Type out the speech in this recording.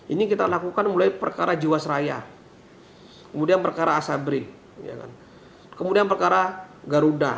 ini kita lakukan mulai perkara jiwasraya kemudian perkara asabri kemudian perkara garuda